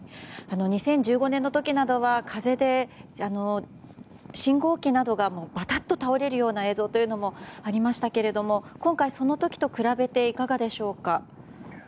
２０１５年の時などは風で信号機などがばたっと倒れるような映像もありましたが今回、その時と比べていかがでしょうか。